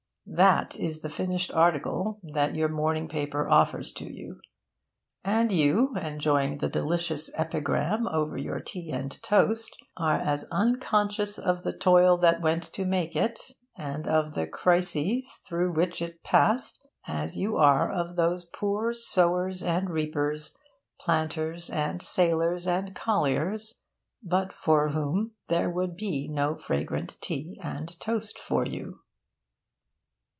That is the finished article that your morning paper offers to you. And you, enjoying the delicious epigram over your tea and toast, are as unconscious of the toil that went to make it, and of the crises through which it passed, as you are of those poor sowers and reapers, planters and sailors and colliers, but for whom there would be no fragrant tea and toast for you.